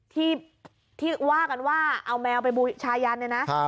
ที่ว่ากันว่าเอาแมวไปบูชายันเนี่ยนะ